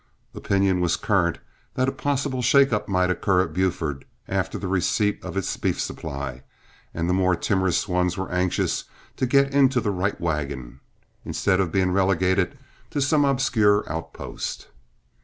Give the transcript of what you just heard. Opinion was current that a possible shake up might occur at Buford after the receipt of its beef supply, and the more timorous ones were anxious to get into the right wagon, instead of being relegated to some obscure outpost.